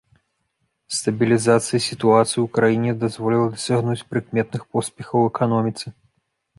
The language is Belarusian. Стабілізацыя сітуацыі ў краіне дазволіла дасягнуць прыкметных поспехаў у эканоміцы.